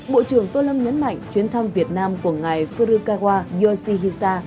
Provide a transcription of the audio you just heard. bộ trưởng tô lâm nhấn mạnh chuyến thăm việt nam của ngài forukawa yoshihisa